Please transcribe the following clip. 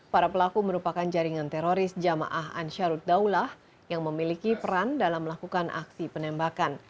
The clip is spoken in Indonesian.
para pelaku merupakan jaringan teroris jamaah ansarud daulah yang memiliki peran dalam melakukan aksi penembakan